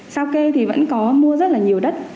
sao kê thì vẫn có mua rất là nhiều đất